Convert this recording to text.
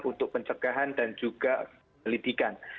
untuk pencegahan dan juga pendidikan